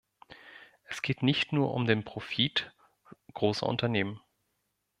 Es geht nicht nur um den Profit großer Unternehmen.